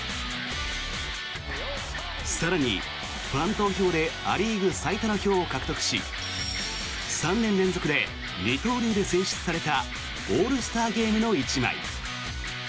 更に、ファン投票でア・リーグ最多の票を獲得し３年連続で二刀流で選出されたオールスターゲームの１枚。